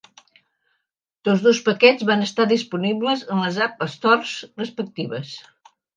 Tots dos paquets van estar disponibles en les App Stores respectives.